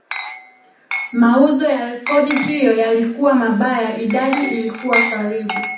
Mauzo ya rekodi hiyo yalikuwa mabaya idadi ilikuwa karibu